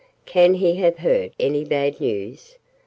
"Can he have heard any bad news?"